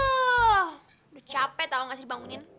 ah udah capek tau gak sih dibangunin